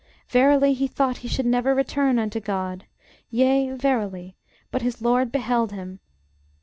Verily he thought he should never return unto God: yea verily, but his LORD beheld him.